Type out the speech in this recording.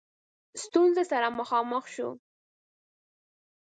ستونزو سره مخامخ شو.